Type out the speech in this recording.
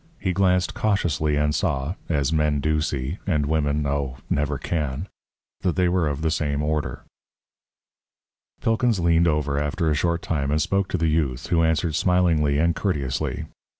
He glanced cautiously and saw (as men do see; and women oh! never can) that they were of the same order. Pilkins leaned over after a short time and spoke to the youth, who answered smilingly, and courteously.